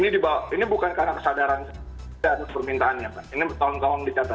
ini dibawa ini bukan karena kesadaran ini adalah permintaannya ini tahun tahun dicatat